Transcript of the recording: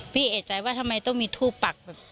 พี่เอ่ยใจว่าทำไมต้องมีทูปปัก